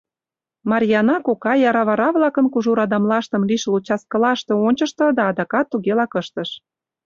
Марйаана кока яра вара-влакын кужу радамлаштым лишыл участкылаште ончышто да адакат тугелак ыштыш.